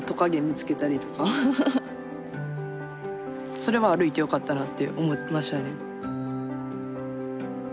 それは歩いてよかったなって思いましたね。